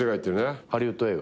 ハリウッド映画？